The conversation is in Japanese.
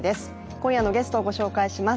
今夜のゲストをご紹介します。